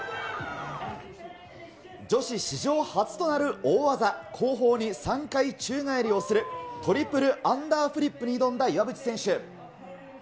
女子史上初となる大技、後方に３回宙返りをするトリプルアンダーフリップに挑んだ岩渕選